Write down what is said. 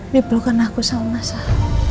diperlukan aku sama sah